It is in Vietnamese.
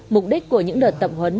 mục đích của những đợt tập huấn